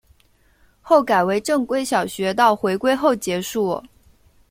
后改为正规小学到回归后结束。